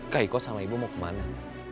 kak iko sama ibu mau kemana